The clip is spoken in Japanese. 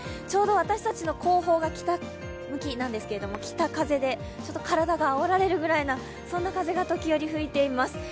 ちょうど私たちの後方が北向きなんですけど、北風で、ちょっと体があおられるぐらいの風が時折吹いています。